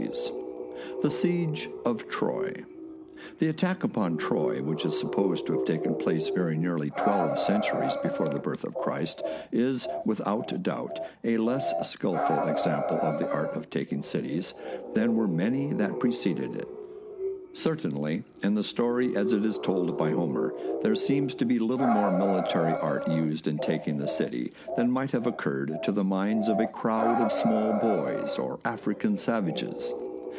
THE SIEGE OF TROY THE attack upon Troy, which is supposed to have taken place very nearly twelve cen turies before the birth of Christ, is, without doubt, a less skilful example of the art of taking cities than were many that preceded it. Certainly, in the story as it is told by Homer, there seems to be little more military art used in taking the city than might have occurred to the minds of a crowd of small boys or African savages.